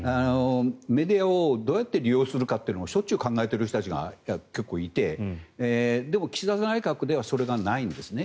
メディアをどうやって利用するかというのをしょっちゅう考えている人たちが結構いてでも、岸田内閣ではそれがないんですね。